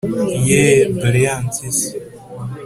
yeee dore ya mpyisi!